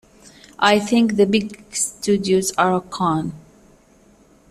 I think the big studios are a con.